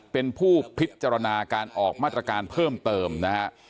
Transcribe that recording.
เป็นผู้พิจารณาการออกมาตรการเพิ่มเติมนะฮะ